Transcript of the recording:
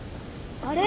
あれ？